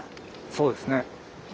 そうですね。